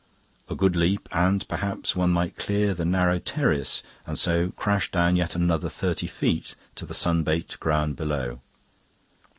A good leap, and perhaps one might clear the narrow terrace and so crash down yet another thirty feet to the sun baked ground below.